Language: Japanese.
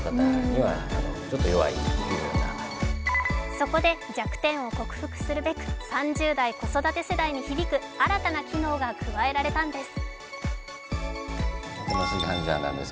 そこで弱点を克服するべく３０代子育て世代に響く新たな機能が加えられたんです。